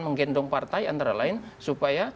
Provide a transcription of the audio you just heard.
menggendong partai antara lain supaya